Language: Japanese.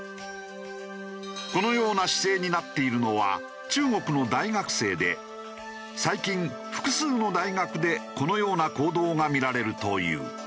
このような姿勢になっているのは中国の大学生で最近複数の大学でこのような行動が見られるという。